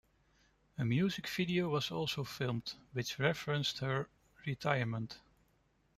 A music video was also filmed which referenced her retirement.